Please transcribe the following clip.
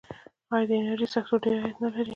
آیا د انرژۍ سکتور ډیر عاید نلري؟